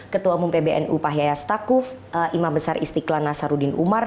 ketua umum pbnu pak yaya stakuf imam besar istiqlal nasaruddin umar